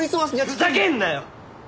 ふざけんなよ！